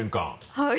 はい。